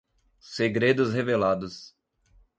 Segredos revelados